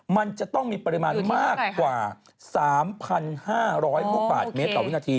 มันจะต้องมีปริมาณมากกว่า๓๕๐๐ลูกบาทเมตรต่อวินาที